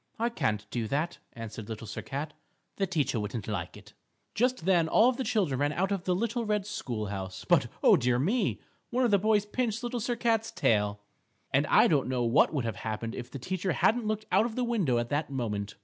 "I can't do that," answered Little Sir Cat, "the teacher wouldn't like it." Just then all the children ran out of the little red school house. But, oh, dear me! One of the boys pinched Little Sir Cat's tail. And I don't know what would have happened if the teacher hadn't looked out of the window at that moment.